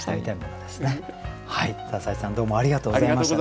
篠井さんどうもありがとうございました。